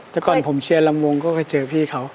แต่ก่อนผมเชียร์ลำวงก็ไปเจอพี่เขา